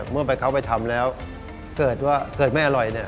เมื่อเขาไปทำแล้วเกิดว่าไม่อร่อย